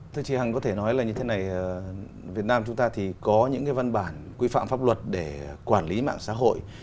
thưa chị hằng có thể nói là như thế này việt nam chúng ta thì có những cái văn bản quy phạm pháp luật để quản lý mạng xã hội